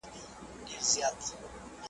نه دا چې په ستاينو ځان راضي وساتي.